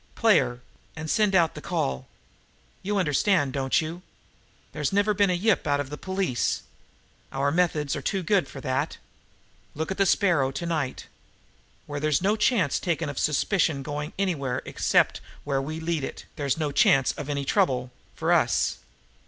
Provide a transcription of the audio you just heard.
Play her and send out the call. You understand, don't you? There's never been a yip out of the police. Our methods are too good for that. Look at the Sparrow to night. Where there's no chance taken of suspicion going anywhere except where we lead it, there's no chance of any trouble for us!